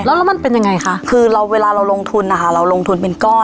แล้วแล้วมันเป็นยังไงคะคือเราเวลาเราลงทุนนะคะเราลงทุนเป็นก้อน